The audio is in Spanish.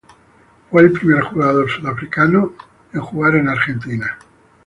Fue el primer jugador sudafricano en jugar en Argentina.